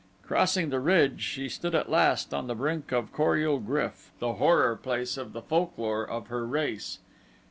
Crossing the ridge she stood at last upon the brink of Kor ul GRYF the horror place of the folklore of her race.